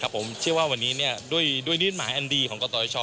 ผมเชื่อว่าวันนี้ด้วยนิดหมายอันดีของกตช